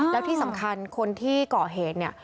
แล้วที่สำคัญคนที่ก่อเหตุเนี่ย